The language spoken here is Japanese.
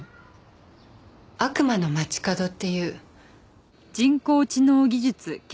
『悪魔の街角』っていう。